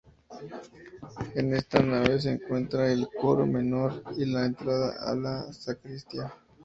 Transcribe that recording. En esta nave se encuentra el coro menor y la entrada a la sacristía.